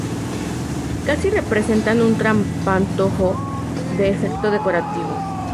Casi representan un trampantojo, de efecto decorativo.